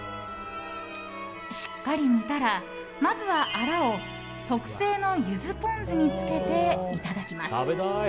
しっかり煮たら、まずはアラを特製のゆずポン酢につけていただきます。